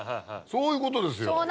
そういうことですよ。